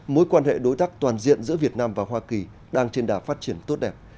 mối quan hệ đối tác toàn diện giữa việt nam và hoa kỳ đang trên đà phát triển tốt đẹp